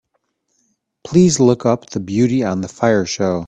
Please look up the Beauty on the Fire show.